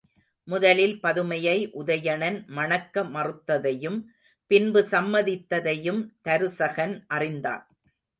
முதலில் பதுமையை உதயணன் மணக்க மறுத்ததையும் பின்பு சம்மதித்ததையும் தருசகன் அறிந்தான்.